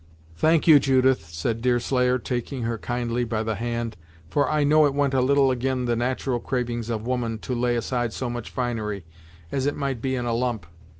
"Thank you, Judith," said Deerslayer, taking her kindly by the hand "for I know it went a little ag'in the nat'ral cravings of woman, to lay aside so much finery, as it might be in a lump.